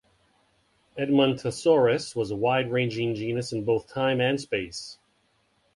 "Edmontosaurus" was a wide-ranging genus in both time and space.